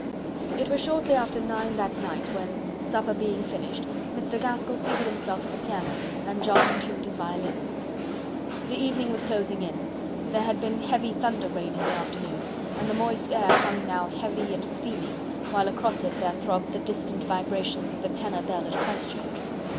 It was shortly after nine that night when, supper being finished, Mr. Gaskell seated himself at the piano and John tuned his violin. The evening was closing in; there had been heavy thunder rain in the afternoon, and the moist air hung now heavy and steaming, while across it there throbbed the distant vibrations of the tenor bell at Christ Church.